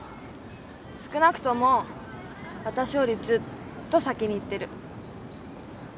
少なくとも私よりずっと先にいってる。